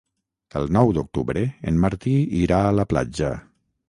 El nou d'octubre en Martí irà a la platja.